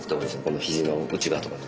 この肘の内側とか。